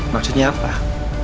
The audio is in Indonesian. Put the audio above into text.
makasih ya pak